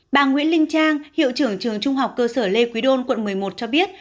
bà nguyễn linh trang hiệu trưởng trường trung học cơ sở lê quý đôn quận một mươi một cho biết